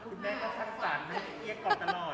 คุณแม่ก็ชัดฝันให้เกี๊ยกก่อนตลอด